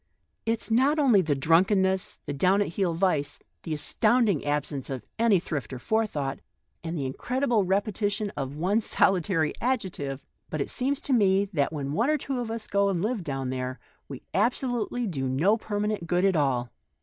It's not only the drunkenness, the down at heel vice, the as tounding absence of any thrift or forethought, and the incredible repetition of one solitary adjective ; but it seems to me that when one or two of us go and live down there we ab solutely do no permanent good at all.